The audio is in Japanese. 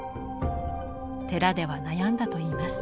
寺では悩んだといいます。